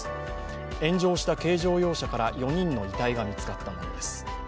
炎上した軽乗用車から４人の遺体が見つかったものです。